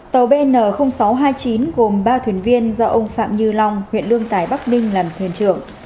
tàu bn sáu trăm hai mươi chín gồm ba thuyền viên do ông phạm như long huyện lương tài bắc ninh làm thuyền trưởng